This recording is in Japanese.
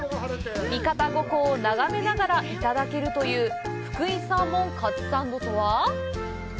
三方五湖を眺めながらいただけるという福井サーモンカツサンドとは？